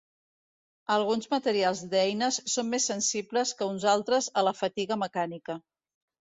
Alguns materials d'eines són més sensibles que uns altres a la fatiga mecànica.